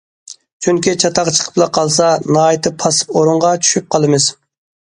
چۈنكى چاتاق چىقىپلا قالسا ناھايىتى پاسسىپ ئورۇنغا چۈشۈپ قالىمىز.